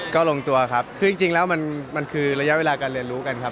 ก็ลงตัวครับคือจริงแล้วมันคือระยะเวลาการเรียนรู้กันครับ